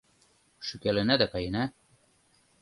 Шӱкалына да каена.